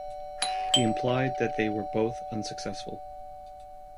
He implied that they were both unsuccessful.